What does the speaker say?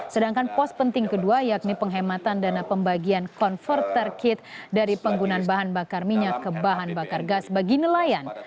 sedangkan pos penting kedua yakni penghematan dana pembagian converter kit dari penggunaan bahan bakar minyak ke bahan bakar gas bagi nelayan